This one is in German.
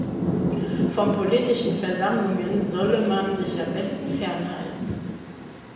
Von politischen Versammlungen solle man sich am besten fernhalten.